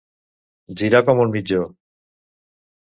Girar com un mitjó.